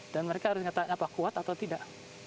dan mereka harus ngatakan apa kuat atau tidak